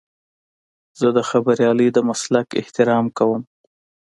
زه د خبریالۍ د مسلک احترام کوم.